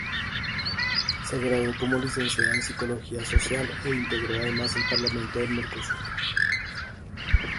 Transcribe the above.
Se graduó como licenciada en psicología social e integró además el Parlamento del Mercosur.